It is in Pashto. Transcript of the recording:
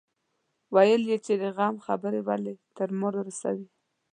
ويل يې چې د غم خبرې ولې تر ما رارسوي.